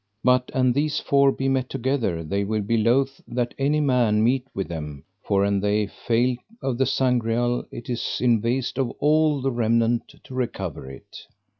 But an these four be met together they will be loath that any man meet with them; for an they fail of the Sangreal it is in waste of all the remnant to recover it.